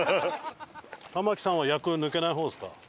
玉木さんは役抜けない方ですか？